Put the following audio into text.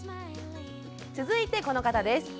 続いてこの方です。